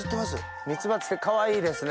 ミツバチってかわいいですね。